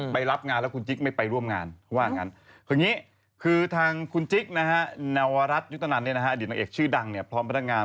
เพราะว่าไปรับงานแล้วคุณจิ๊กไม่ร่วมงาน